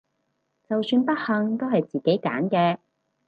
就算不幸都係自己揀嘅！